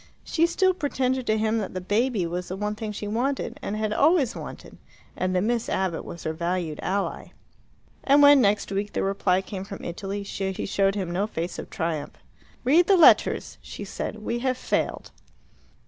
She still pretended to him that the baby was the one thing she wanted, and had always wanted, and that Miss Abbott was her valued ally. And when, next week, the reply came from Italy, she showed him no face of triumph. "Read the letters," she said. "We have failed."